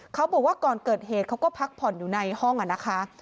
เขาบอกว่าก่อนเกิดเหตุเขาก็พักผ่อนอยู่ในห้องนะคะ